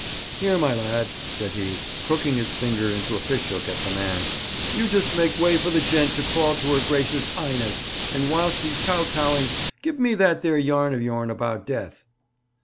'Here, my lad,' said he, crooking his finger into a fish hook at the man, 'you just make way for the gent to crawl to her Gracious 'Ighness, and whilst he's kow towing, give me that there yarn of yourn about death.'